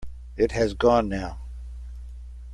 It has gone now.